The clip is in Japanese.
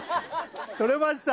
とれました